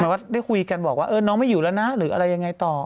ว่าได้คุยกันบอกว่าน้องไม่อยู่แล้วนะหรืออะไรยังไงต่อ